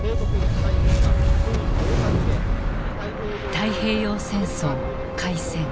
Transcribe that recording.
太平洋戦争開戦。